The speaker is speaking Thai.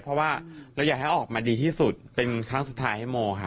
เพราะว่าเราอยากให้ออกมาดีที่สุดเป็นครั้งสุดท้ายให้โมค่ะ